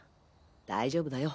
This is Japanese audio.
大丈夫だよ